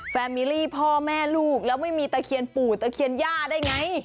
แมมิลี่พ่อแม่ลูกแล้วไม่มีตะเคียนปู่ตะเคียนย่าได้ไง